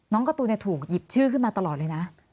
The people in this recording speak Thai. การ์ตูนถูกหยิบชื่อขึ้นมาตลอดเลยนะ